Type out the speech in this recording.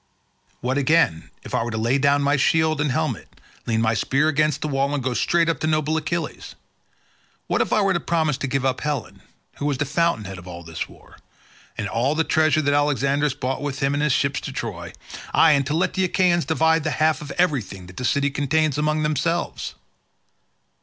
What, again, if I were to lay down my shield and helmet, lean my spear against the wall and go straight up to noble Achilles? What if I were to promise to give up Helen, who was the fountainhead of all this war, and all the treasure that Alexandrus brought with him in his ships to Troy, aye, and to let the Achaeans divide the half of everything that the city contains among themselves?